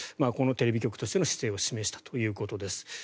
このテレビ局としての姿勢を示したということです。